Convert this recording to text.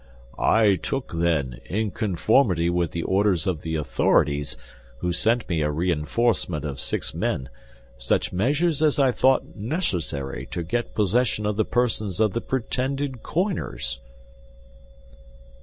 "I took then, in conformity with the orders of the authorities, who sent me a reinforcement of six men, such measures as I thought necessary to get possession of the persons of the pretended coiners."